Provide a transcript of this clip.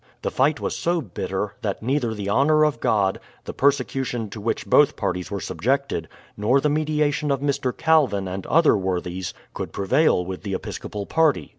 The fight was so bitter, that neither the honour of God, the persecution to which both parties were subjected, nor the mediation of Mr. Calvin and other worthies, could prevail with the episcopal party.